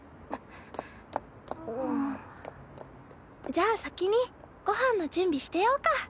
じゃあ先にご飯の準備してようか。